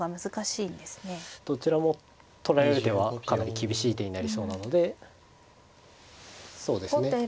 どちらも取られる手はかなり厳しい手になりそうなのでそうですね